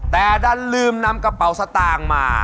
แต่ดันลืมนำกระเป๋าสตางค์มา